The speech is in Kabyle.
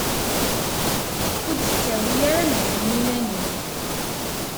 Ur d-ttawi ara lhemm i iman-im.